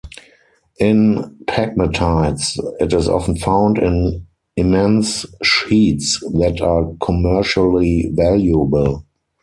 In pegmatites, it is often found in immense sheets that are commercially valuable.